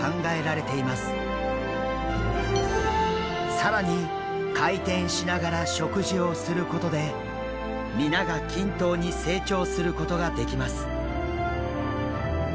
更に回転しながら食事をすることで皆が均等に成長することができます。